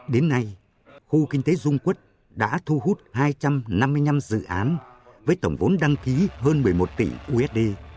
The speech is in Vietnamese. đến nay khu kinh tế dung quốc đã thu hút hai trăm năm mươi năm dự án với tổng vốn đăng ký hơn một mươi một tỷ usd